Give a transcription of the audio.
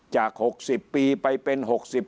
จาก๖๐ปีไปเป็น๖๒๖๓๖๕